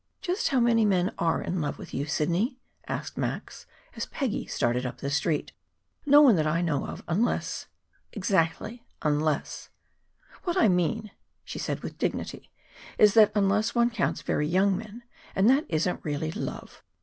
"Just how many men are in love with you, Sidney?" asked Max, as Peggy started up the Street. "No one that I know of, unless " "Exactly. Unless " "What I meant," she said with dignity, "is that unless one counts very young men, and that isn't really love."